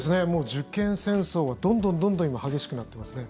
受験戦争がどんどんどんどん今、激しくなってますね。